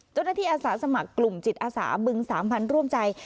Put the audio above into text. เจ้าหน้าที่อาสาสมัครกลุ่มจิตอาสาบึงสามพันธุ์ร่วมใจ